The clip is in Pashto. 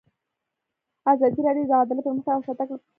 ازادي راډیو د عدالت پرمختګ او شاتګ پرتله کړی.